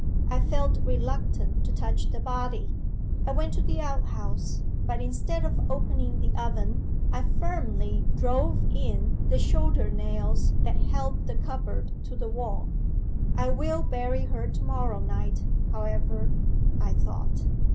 I felt reluctant to touch the body. I went to the outhouse, but instead of opening the oven, I firmly drove in the shoulder nails that held the cupboard to the wall. "I will bury her to morrow night, however," I thought.